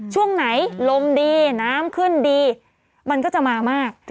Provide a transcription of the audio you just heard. ช่วงไหนลมดีน้ำขึ้นดีมันก็จะมามาก